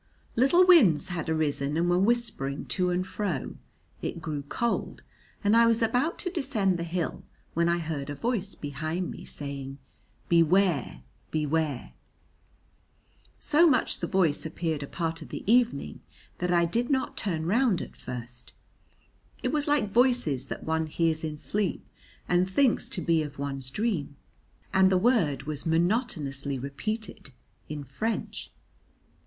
Little winds had arisen and were whispering to and fro, it grew cold, and I was about to descend the hill, when I heard a voice behind me saying, "Beware, beware." So much the voice appeared a part of the evening that I did not turn round at first; it was like voices that one hears in sleep and thinks to be of one's dream. And the word was monotonously repeated, in French.